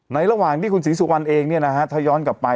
ในระหว่างที่คุณศรีสุวรรณเองเนี่ยนะฮะถ้าย้อนกลับไป